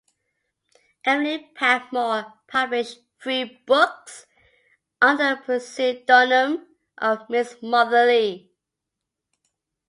Emily Patmore published three books under the pseudonym of Mrs Motherly.